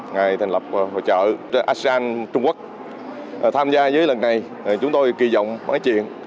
ngày thành lập hội trợ asean trung quốc tham gia với lần này chúng tôi kỳ vọng mấy chuyện